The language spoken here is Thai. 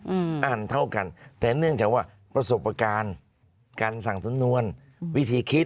อืมอ่านเท่ากันแต่เนื่องจากว่าประสบการณ์การสั่งสำนวนวิธีคิด